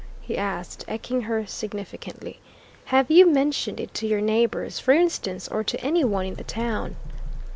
he asked, eking her significantly. "Have you mentioned it to your neighbours, for instance, or to any one in the town?"